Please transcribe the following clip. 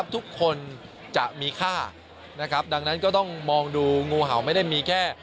ทุกคนจะมีค่าดังนั้นก็ต้องมองดูงูเห่าไม่ได้มีแค่